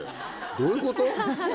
どういうこと？